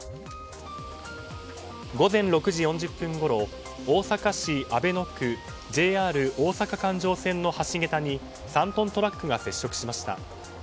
午前６時４０分ごろ大阪市阿倍野区ＪＲ大阪環状線の橋げたに３トントラックが接触しました。